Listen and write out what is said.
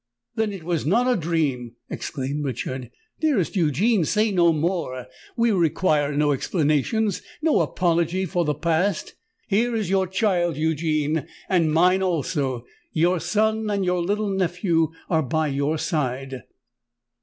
then it was not a dream!" exclaimed Richard. "Dearest Eugene, say no more—we require no explanations—no apology for the past! Here is your child, Eugene—and mine also: your son and your little nephew are by your side!"